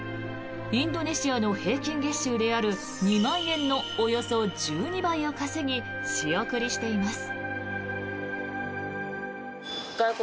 インドネシアの平均月収である２万円のおよそ１２倍を稼ぎ仕送りしています。